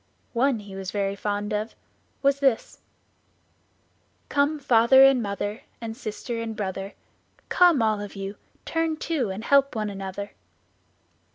One he was very fond of was this: "Come, father and mother, And sister and brother, Come, all of you, turn to And help one another."